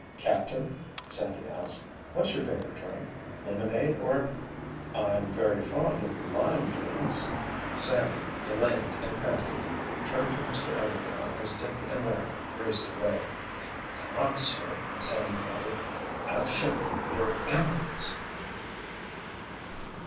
"Captain," Sandy asked, "what's your favorite drink? Lemonade or——" "I'm very fond of lime drinks——" Sandy, elated and panting, turned to Mr. Everdail as Dick and Larry raced away. "Come on, sir," Sandy panted. "I'll show you your emeralds!"